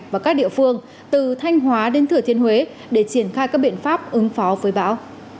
và các địa phương từ thanh hóa đến thừa thiên huế để triển khai các biện pháp ứng phó với bão